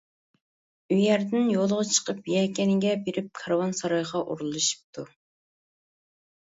ئۇ يەردىن يولغا چىقىپ، يەكەنگە بېرىپ كارۋان سارايغا ئورۇنلىشىپتۇ.